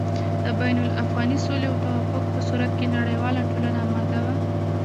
د بين الافغاني سولې او توافق په صورت کې نړېواله ټولنه اماده وه